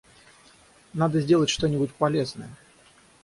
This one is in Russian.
Надо сделать что-нибудь полезное!